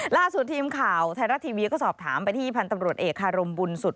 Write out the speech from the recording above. ล่าสุดทีมข่าวไทยรัฐทีวีก็สอบถามไปที่พันธ์ตำรวจเอกคารมบุญสุด